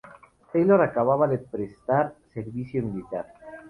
Taylor acababa de prestar servicio militar.